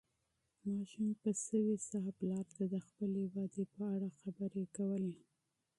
ماشوم په سوې ساه پلار ته د خپلې ودې په اړه خبرې کولې.